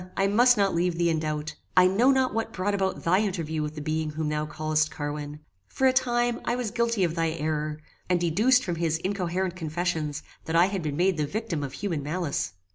I must not leave thee in doubt. I know not what brought about thy interview with the being whom thou callest Carwin. For a time, I was guilty of thy error, and deduced from his incoherent confessions that I had been made the victim of human malice.